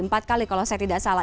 empat kali kalau saya tidak salah